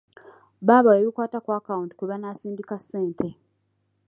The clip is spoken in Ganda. Baabawa ebikwata ku akawuti kwe banaasindika ssente.